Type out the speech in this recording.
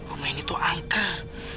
rumah ini tuh angker